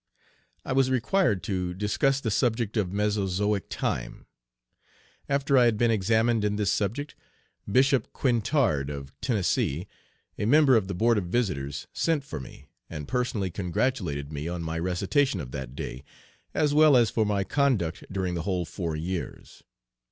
I was required to discuss the subject of "Mesozoic Time." After I had been examined in this subject Bishop Quintard, of Tennessee, a member of the Board of Visitors, sent for me, and personally congratulated me on my recitation of that day, as well as for my conduct during the whole four years.